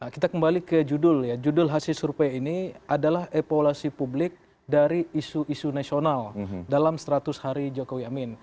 kita kembali ke judul ya judul hasil survei ini adalah epolasi publik dari isu isu nasional dalam seratus hari jokowi amin